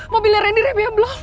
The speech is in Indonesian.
mobilnya randy rebih belum